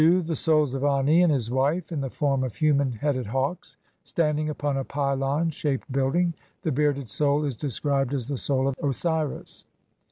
The souls of Ani and his wife, in the form of human headed hawks, standing upon a pvlon shaped building ; the bearded soul is described as "the soul of Osiris".